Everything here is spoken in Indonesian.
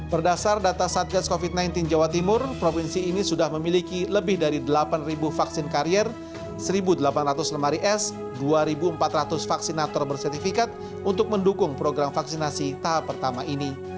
berdasar data satgas covid sembilan belas jawa timur provinsi ini sudah memiliki lebih dari delapan vaksin karier satu delapan ratus lemari es dua empat ratus vaksinator bersertifikat untuk mendukung program vaksinasi tahap pertama ini